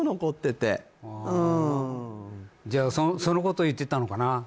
うんじゃそのことを言ってたのかな？